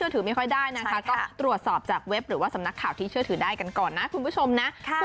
ที่เชื่อถือได้กันก่อนนะคุณผู้ชมนะค่ะ